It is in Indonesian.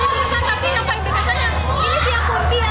paling terkesan yang di openings